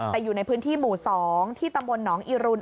แต่อยู่ในพื้นที่หมู่๒ที่ตำบลหนองอิรุณ